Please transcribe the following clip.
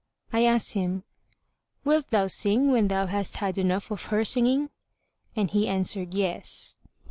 I asked him, "Wilt thou sing, when thou hast had enough of her singing?"; and he answered "Yes."